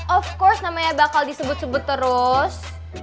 of course namanya bakal disebut sebut terus